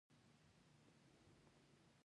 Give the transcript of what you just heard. د موټروان د جواز معاینه وخت په وخت وکړئ.